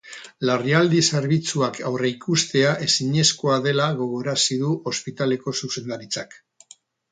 Larrialdi zerbitzuak aurreikustea ezinezkoa dela gogorarazi du ospitaleko zuzendaritzak.